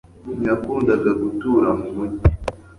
Ntiyakundaga gutura mu mujyi